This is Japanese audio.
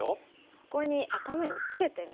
ここに頭にツケてみますか。